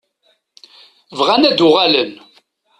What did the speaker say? Bɣan ad uɣalen.